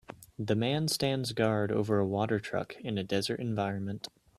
The man stands guard over a water truck in a desert environment